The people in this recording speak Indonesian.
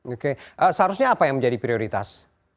oke seharusnya apa yang menjadi prioritas